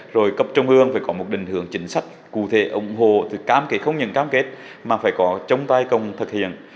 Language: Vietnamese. rồi cấp trong hương phải có một định hưởng chính sách cụ thể ủng hộ không những cam kết mà phải có trong tay công thực hiện